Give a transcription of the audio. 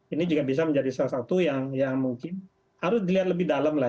ini juga bisa menjadi salah satu yang mungkin harus dilihat lebih dalam lah